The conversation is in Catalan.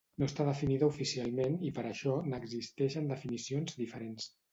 No està definida oficialment i per això n'existeixen definicions diferents.